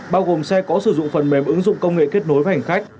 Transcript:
bao gồm xe có sử dụng phần mềm ứng dụng công nghệ kết nối với hành khách